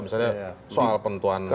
misalnya soal pentuan kebijakan